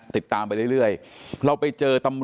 เป็นวันที่๑๕ธนวาคมแต่คุณผู้ชมค่ะกลายเป็นวันที่๑๕ธนวาคม